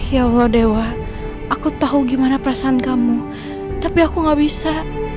ya allah dewa aku tahu gimana perasaan kamu tapi aku gak bisa